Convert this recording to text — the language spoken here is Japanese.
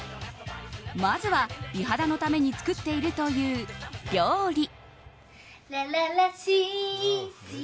まずは、美肌のために作っているという料理。